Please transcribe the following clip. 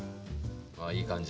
あいい感じ。